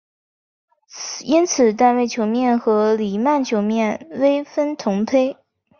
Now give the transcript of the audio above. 因此单位球面和黎曼球面微分同胚。